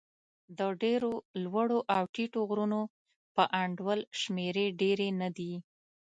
د ډېرو لوړو او ټیټو غرونو په انډول شمېرې ډېرې نه دي.